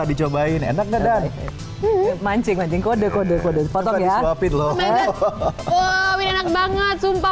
dicobain enak nggak dan mancing mancing kode kode kode foto ya oh enak banget sumpah